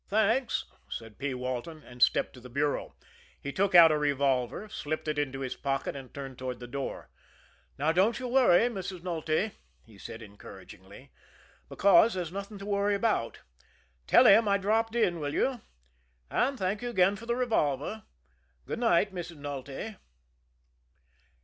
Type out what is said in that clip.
"Thanks," said P. Walton and stepped to the bureau. He took out a revolver, slipped it into his pocket, and turned toward the door. "Now, don't you worry, Mrs. Nulty," he said encouragingly, "because there's nothing to worry about. Tell him I dropped in, will you? and thank you again for the revolver. Good night, Mrs. Nulty."'